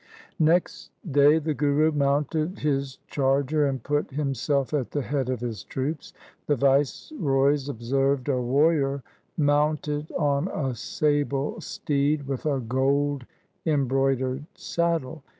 Next day the Guru mounted his charger, and put himself at the head of his troops. The viceroys observed a warrior mounted on a sable steed with a gold embroidered saddle.